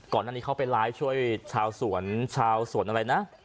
ก่อนหน้านี้เขาไปไลฟ์ช่วยชาวสวนชาวสวนอะไรนะ